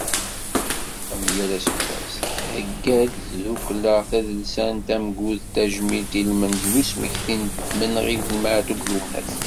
Am yal aseggas, theyya-d tdukkla tadelsant Amgud tajmilt ilmend n usmekti n tmenɣiwt n Meεtub Lwennas.